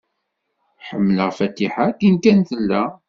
Ḥemmleɣ Fatiḥa akken kan tella.